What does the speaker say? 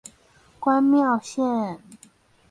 關廟線